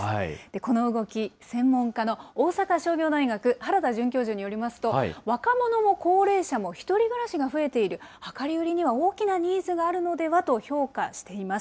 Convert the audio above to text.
この動き、専門家の大阪商業大学、原田准教授によりますと、若者も高齢者も１人暮らしが増えている、量り売りには大きなニーズがあるのではと評価しています。